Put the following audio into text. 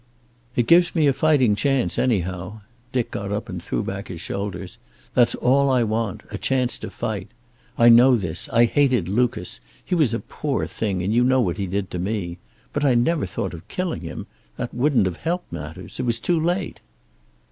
"It gives me a fighting chance, anyhow." Dick got up and threw back his shoulders. "That's all I want. A chance to fight. I know this. I hated Lucas he was a poor thing and you know what he did to me. But I never thought of killing him. That wouldn't have helped matters. It was too late."